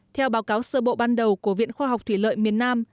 theo báo cáo sơ bộ ban đầu của viện khoa học thủy lợi miền nam